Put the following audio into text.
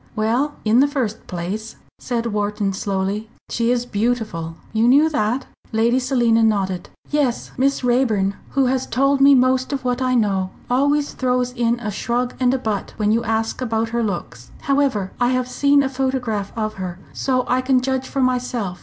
"Well, in the first place," said Wharton, slowly, "she is beautiful you knew that?" Lady Selina nodded. "Yes. Miss Raeburn, who has told me most of what I know, always throws in a shrug and a 'but' when you ask about her looks. However, I have seen a photograph of her, so I can judge for myself.